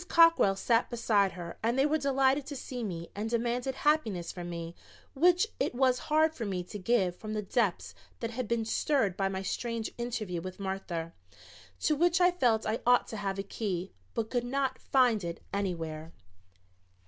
Cockrell sat beside her and they were delighted to see me and demanded happiness from me which it was hard for me to give from the depths that had been stirred by my strange interview with Martha, to which I felt I ought to have a key, but could not find it anywhere.